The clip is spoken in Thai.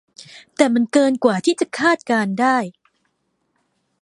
แต่มันเกินกว่าที่จะคาดการณ์ได้